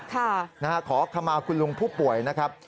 ค่ะนะครับขอคำมาคุณลุงผู้ป่วยนะครับ